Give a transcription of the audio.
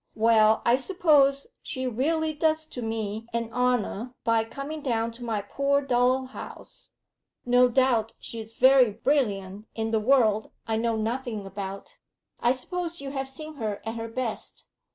Well, I suppose she really does to me an honour by coming down to my poor dull house; no doubt she's very brilliant in the world I know nothing about. I suppose you have seen her at her best?